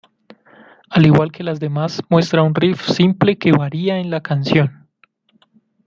Al igual que las demás muestra un riff simple que varía en la canción.